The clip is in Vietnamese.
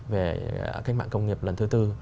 về kênh mạng công nghiệp lần thứ bốn